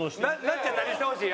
なっちゃん何してほしい？